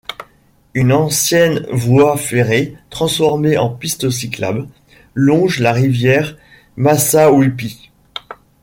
Une ancienne voie ferrée, transformée en piste cyclable, longe la rivière Massawippi.